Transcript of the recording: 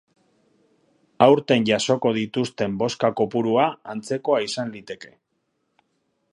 Aurten jasoko dituzten bozka kopurua antzekoa izan liteke.